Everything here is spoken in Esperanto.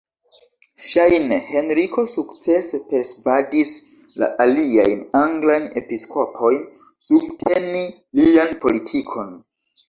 Ŝajne Henriko sukcese persvadis la aliajn anglajn episkopojn subteni lian politikon.